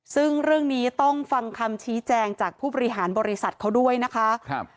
ซึ่งเรื่องนี้ต้องฟังคำชี้แจงจากผู้บริหารบริษัทเขาด้วยนะคะ